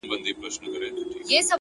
پوه انسان د حقیقت په لټه کې وي!